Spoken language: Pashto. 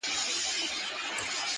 زه مي ټوله ژوندون ومه پوروړی٫